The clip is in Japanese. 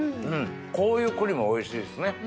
こういう栗もおいしいですね。